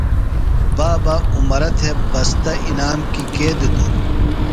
بابہ عمرہ تھےۡ بستہ انعام کیۡ کے دِتوۡ؟